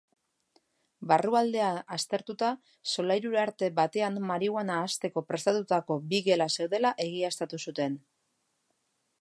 Barrualdea aztertuta, solairuarte batean marihuana hazteko prestatutako bi gela zeudela egiaztatu zuten.